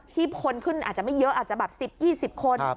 คนขึ้นอาจจะไม่เยอะอาจจะแบบ๑๐๒๐คน